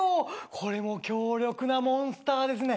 これも強力なモンスターですね。